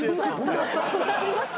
そんなありました？